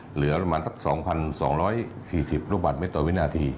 เหลือประมาณสัก๒๒๔๐ลูกบาทเมตรต่อวินาที